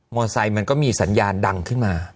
มอเตอร์ไซค์มันก็มีสัญญาณดังขึ้นมา